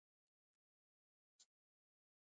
Те молам, земи ги алиштава како подарок.